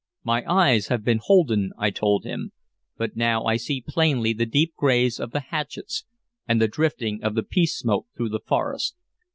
"My eyes have been holden," I told him, "but now I see plainly the deep graves of the hatchets and the drifting of the peace smoke through the forest.